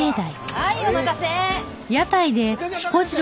はいお待たせ！